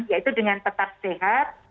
yaitu dengan tetap sehat